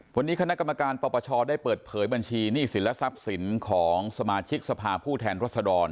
วันนี้คณะกรรมการปปชได้เปิดเผยบัญชีหนี้สินและทรัพย์สินของสมาชิกสภาผู้แทนรัศดร